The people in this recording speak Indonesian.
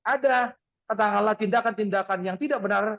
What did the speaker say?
ada katakanlah tindakan tindakan yang tidak benar